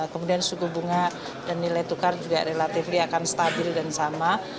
kemudian suku bunga dan nilai tukar juga relatif akan stabil dan sama